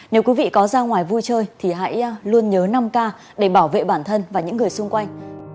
nếu quý vị có ra ngoài vui chơi thì hãy luôn nhớ năm k để bảo vệ bản thân và những người xung quanh